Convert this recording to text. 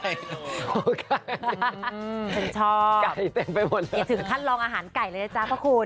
อย่าถึงขั้นลองอาหารไก่เลยนะครับคุณ